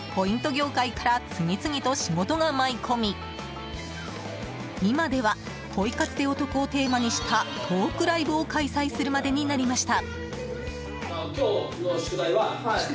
業界から次々と仕事が舞い込み今では、ポイ活でお得をテーマにしたトークライブを開催するまでになりました。